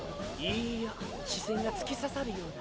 いや視線が突き刺さるようだ。